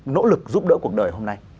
nỗ lực giúp đỡ cuộc đời hôm nay